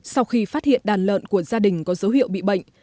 sau khi phát hiện đàn lợn của gia đình có dấu hiệu bị bệnh